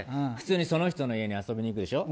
その人の家に遊びに行くでしょ。